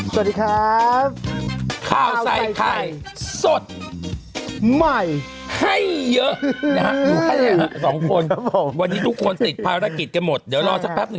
สวัสดีครับข้าวใส่ไข่สดใหม่ให้เยอะวันนี้ทุกคนติดภารกิจกันหมดเดี๋ยวรอสักแป๊บหนึ่ง